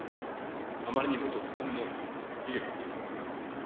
あまりにも突然の悲劇でした。